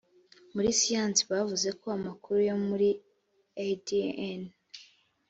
muri siyansi bavuze ko amakuru yo muri adn